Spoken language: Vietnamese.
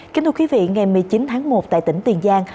kính thưa quý vị ngày một mươi chín tháng một tại tỉnh tiền giang